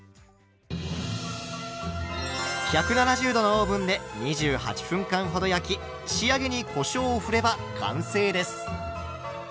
１７０℃のオーブンで２８分間ほど焼き仕上げにこしょうをふれば完成です。